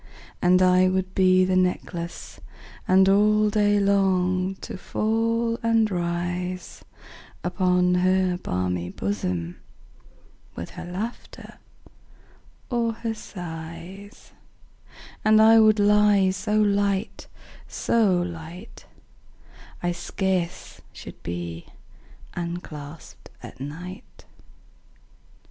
And I would be the necklace, And all day long to fall and rise Upon her balmy bosom, 15 With her laughter or her sighs: And I would lie so light, so light, I scarce should be unclasp'd at night.